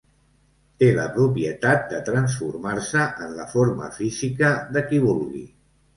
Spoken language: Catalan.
Té la propietat de transformar-se en la forma física de qui vulgui.